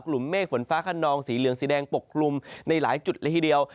เมฆฝนฟ้าขนองสีเหลืองสีแดงปกคลุมในหลายจุดละทีเดียว